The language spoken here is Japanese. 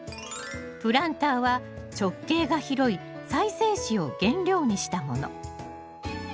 プランターは直径が広い再生紙を原料にしたもの。